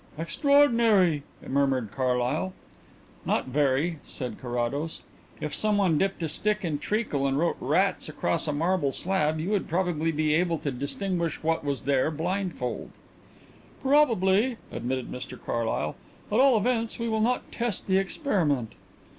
"Extraordinary," murmured Carlyle. "Not very," said Carrados. "If someone dipped a stick in treacle and wrote 'Rats' across a marble slab you would probably be able to distinguish what was there, blindfold." "Probably," admitted Mr Carlyle. "At all events we will not test the experiment."